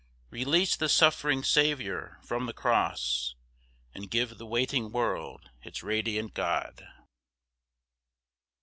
Release the suffering Saviour from the Cross, And give the waiting world its Radiant God.